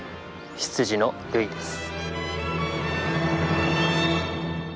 執事のルイです。